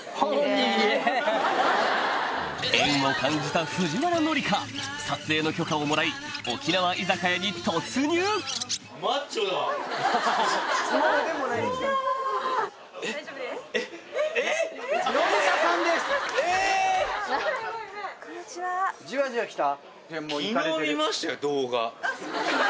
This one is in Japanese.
縁を感じた藤原紀香撮影の許可をもらい沖縄居酒屋に突入じわじわきた？